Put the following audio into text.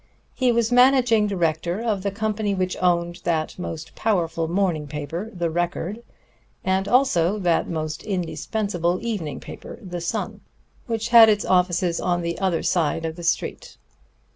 He was managing director of the company which owned that most powerful morning paper, the Record, and also that most indispensable evening paper, the Sun, which had its offices on the other side of the street.